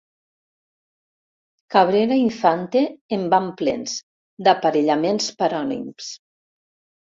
Cabrera Infante en van plens, d'aparellaments parònims.